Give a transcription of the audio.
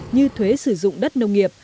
như thuế sử dụng đất nông nghiệp